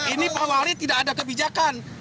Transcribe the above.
ini pak wali tidak ada kebijakan